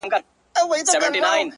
گلاب دی; گل دی; زړه دی د چا;